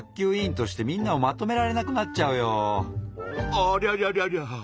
ありゃりゃりゃりゃ。